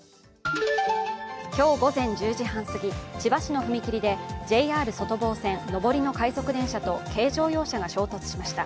今日午前１０時半すぎ千葉市の踏切でＪＲ外房線上りの快速電車と軽乗用車が衝突しました。